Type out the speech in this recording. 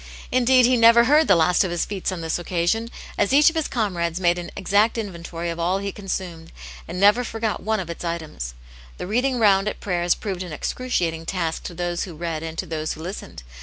Indeed, he never heard the last o^ his feats on this occasion, as each of his comrades made an exact inventory of all he consumed, ancP never forgot one of its items. The "reading round" at prayers proved an excruciating task to those who read and to those who listened.